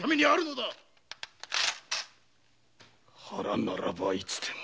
腹ならばいつでも。